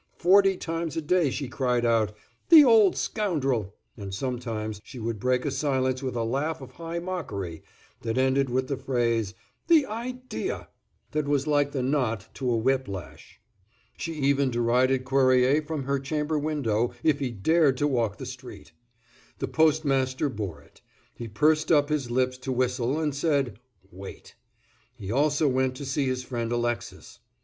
Forty times a day she cried out, "The old scoundrel!" and sometimes she would break a silence with a laugh of high mockery, that ended with the phrase, "The idea!" that was like the knot to a whip lash. She even derided Cuerrier from her chamber window if he dared to walk the street. The postmaster bore it; he pursed up his lips to whistle, and said, "Wait." He also went to see his friend Alexis.